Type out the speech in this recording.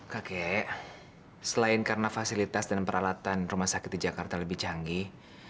kakek selain karena fasilitas dan peralatan rumah sakit di jakarta lebih canggih